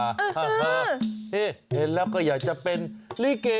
ไม่ธรรมดาฮ่าแล้วก็อยากจะเป็นลิเก